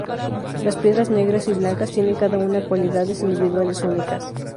Las piedras negras y blancas, tienen cada una cualidades individuales únicas.